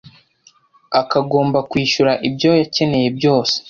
akaba agomba kwishyura ibyo yakeneye byose